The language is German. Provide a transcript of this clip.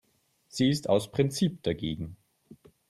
Sie ist aus Prinzip dagegen.